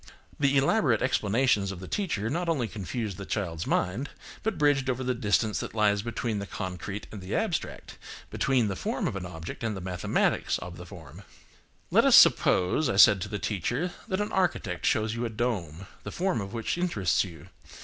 The elaborate explanations of the teacher not only confused the child's mind, but bridged over the distance that lies between the concrete and the abstract, between the form of an object and the mathematics of the form. Let us suppose, I said to the teacher, that an architect shows you a dome, the form of which interests you.